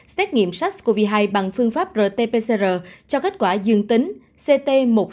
xét nghiệm sars cov hai bằng phương pháp rt pcr cho kết quả dương tính ct một mươi sáu năm mươi hai